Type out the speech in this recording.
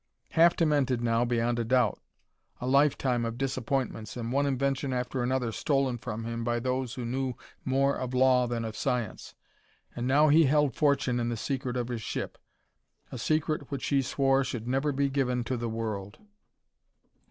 Half demented now, beyond a doubt! A lifetime of disappointments and one invention after another stolen from him by those who knew more of law than of science. And now he held fortune in the secret of his ship a secret which he swore should never be given to the world.